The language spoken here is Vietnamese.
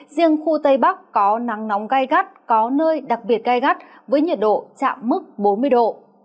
riêng khu tây bắc có nắng nóng gai gắt có nơi đặc biệt gai gắt với nhiệt độ chạm mức bốn mươi độ